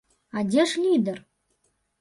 А дзе ж лідэр?